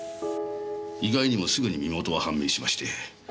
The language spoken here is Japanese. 意外にもすぐに身元は判明しまして。